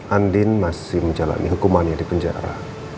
andin masih menjalani hukumannya di penjara